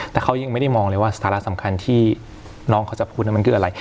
แต่เขายังไม่ได้มองเลยว่าสาระสำคัญที่น้องเขาจะพูดนั้นมันคืออะไร